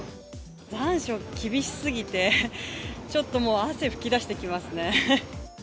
残暑厳しすぎて、ちょっともう、汗噴き出してきますね。